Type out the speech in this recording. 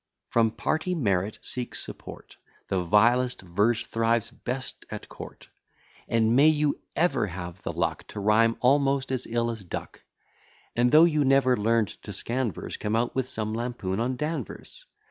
From party merit seek support; The vilest verse thrives best at court. And may you ever have the luck To rhyme almost as ill as Duck; And, though you never learn'd to scan verse Come out with some lampoon on D'Anvers.